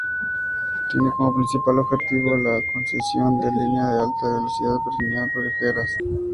Tiene como principal objetivo la concesión de la línea de alta velocidad Perpiñán-Figueras.